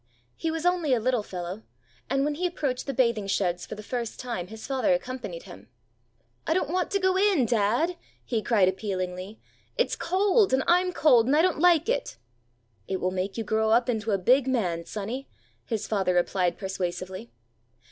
He was only a little fellow, and when he approached the bathing sheds for the first time his father accompanied him. 'I don't want to go in, dad,' he cried appealingly; 'it's cold, and I'm cold, and I don't like it!' 'It will make you grow up into a big man, sonny!' his father replied persuasively.